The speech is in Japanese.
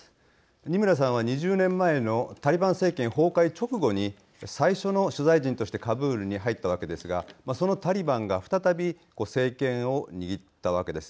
二村さんは２０年前のタリバン政権崩壊直後に最初の取材陣としてカブールに入ったわけですがそのタリバンが再び政権を握ったわけです。